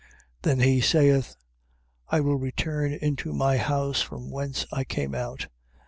12:44. Then he saith: I will return into my house from whence I came out.